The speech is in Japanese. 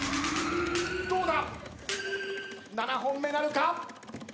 どうだ⁉７本目なるか？